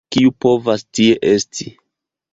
kiu povas tie esti?